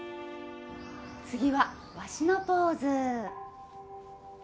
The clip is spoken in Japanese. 次はワシのポーズ。